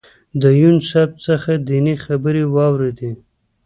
د یون صاحب څخه دینی خبرې واورېدې.